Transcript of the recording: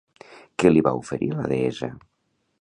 Què li va oferir la deessa?